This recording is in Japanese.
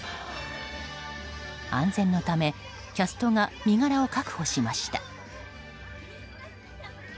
安全のためキャストが身柄を確保しました。